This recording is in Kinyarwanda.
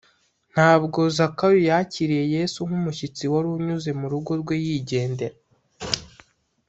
ntabwo zakayo yakiriye yesu nk’umushyitsi wari unyuze mu rugo rwe yigendera